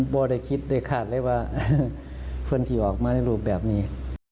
ไม่ได้คิดได้คาดเลยว่าเพื่อนที่ออกมาในรูปแบบนี้